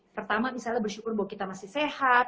pertama misalnya bersyukur bahwa kita masih sehat